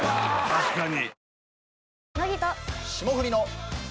確かに。